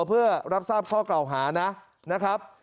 เพื่อรับทราบข้อกล่าวหานะครับ